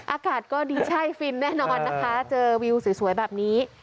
อากาศก็ดีใช่ฟินแน่นอนนะคะเจอวิวสวยแบบนี้